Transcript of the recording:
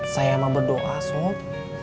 saya mau berdoa sob